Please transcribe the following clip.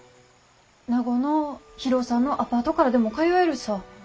名護の博夫さんのアパートからでも通えるさ。